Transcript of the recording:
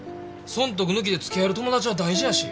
損得抜きで付き合える友達は大事やし。